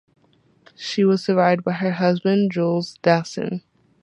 She was survived by her husband, Jules Dassin.